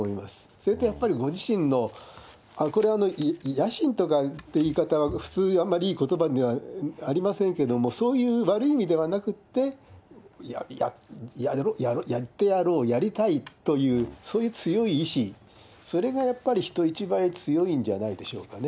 それとやっぱりご自身の、これは野心とかって言い方は普通、あんまりいいことばではありませんけれども、そういう悪い意味ではなくって、やってやろう、やりたいという、そういう強い意志、それがやっぱり人一倍強いんじゃないでしょうかね。